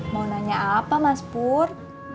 mau nanya apa mas pur